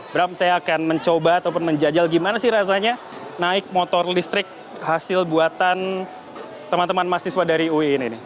bram saya akan mencoba ataupun menjajal gimana sih rasanya naik motor listrik hasil buatan teman teman mahasiswa dari ui ini